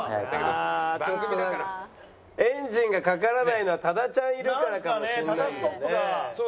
エンジンがかからないのは多田ちゃんいるからかもしれないですね。